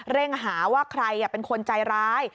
เร่งหาว่าใครเป็นคนใจร้าย